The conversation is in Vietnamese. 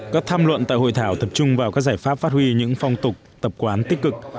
các tham luận tại hội thảo tập trung vào các giải pháp phát huy những phong tục tập quán tích cực